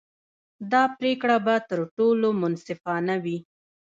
دا پرېکړه به تر ټولو منصفانه وي.